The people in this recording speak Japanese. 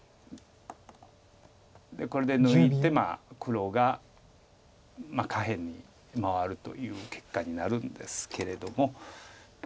これで抜いて黒が下辺に回るという結果になるんですけれども。